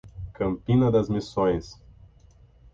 Campina das Missões